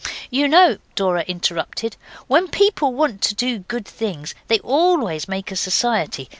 'You know,' Dora interrupted, 'when people want to do good things they always make a society.